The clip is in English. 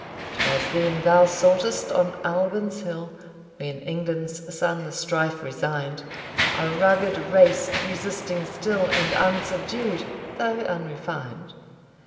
'T was then thou sought'st on Albyn's hill, (When England's sons the strife resign'd) A rugged race resisting still, And unsubdued though unrefined.